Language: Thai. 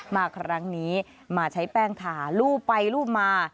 มาครั้งนี้มาใช้แป้งทารูปไปลูบมา